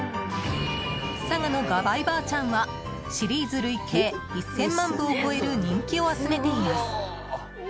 「佐賀のがばいばあちゃん」はシリーズ累計１０００万部を超える人気を集めています。